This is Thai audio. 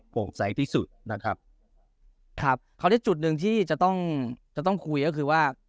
ใสที่สุดนะครับครับคราวนี้จุดหนึ่งที่จะต้องจะต้องคุยก็คือว่า